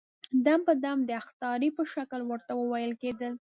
دم په دم د اخطارې په شکل ورته وويل کېدل.